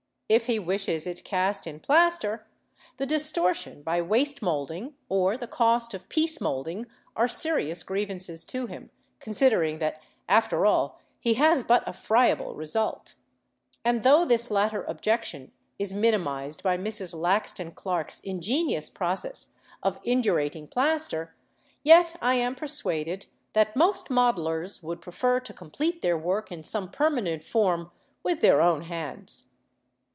If he wishes it cast in plaster, the distortion by waste moulding, or the cost of piece moulding, are serious grievances to him, considering that after all he has but a friable result; and though this latter objection is minimised by Mrs. Laxton Clark's ingenious process of indurating plaster, yet I am persuaded that most modellers would prefer to complete their work in some permanent form with their own hands.